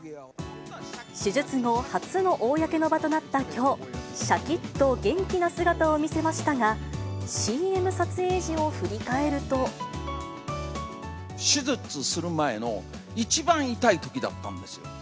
手術後、初の公の場となったきょう、しゃきっと元気な姿を見せましたが、手術する前の、一番痛いときだったんですよ。